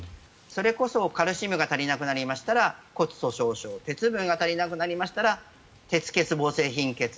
それこそカルシウムが足りなくなったら骨粗しょう症鉄分が足りなくなったら鉄欠乏性貧血。